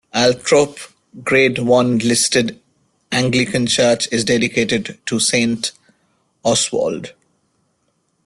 Althorpe Grade One listed Anglican church is dedicated to Saint Oswald.